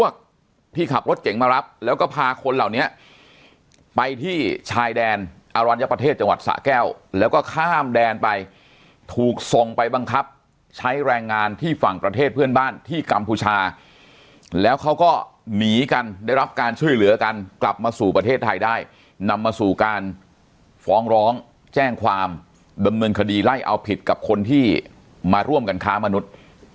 พวกที่ขับรถเก่งมารับแล้วก็พาคนเหล่านี้ไปที่ชายแดนอรัญญประเทศจังหวัดสะแก้วแล้วก็ข้ามแดนไปถูกส่งไปบังคับใช้แรงงานที่ฝั่งประเทศเพื่อนบ้านที่กัมพูชาแล้วเขาก็หนีกันได้รับการช่วยเหลือกันกลับมาสู่ประเทศไทยได้นำมาสู่การฟ้องร้องแจ้งความดำเนินคดีไล่เอาผิดกับคนที่มาร่วมกันค้ามนุษย์